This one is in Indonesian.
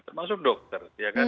termasuk dokter ya kan